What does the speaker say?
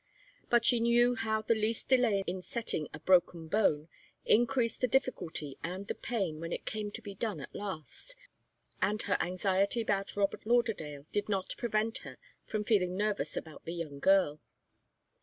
But she knew how the least delay in setting a broken bone increased the difficulty and the pain when it came to be done at last, and her anxiety about Robert Lauderdale did not prevent her from feeling nervous about the young girl.